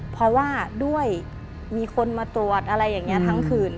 เพราะว่าด้วยมีคนมาตรวจอะไรอย่างนี้ทั้งคืน